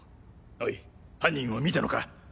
おい犯人を見たのか？